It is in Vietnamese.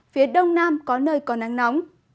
phía đông nam có nơi có nắng nóng